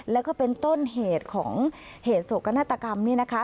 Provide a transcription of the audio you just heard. แล้วก็เป็นต้นเหตุของเหตุโศกนาฏกรรมนี่นะคะ